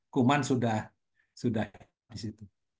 kuman sudah di situ